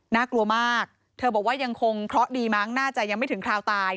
น่ากลัวมากเธอบอกว่ายังคงเคราะห์ดีมั้งน่าจะยังไม่ถึงคราวตาย